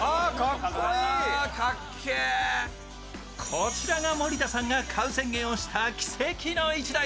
こちらが森田さんが買う宣言をした奇跡の１台。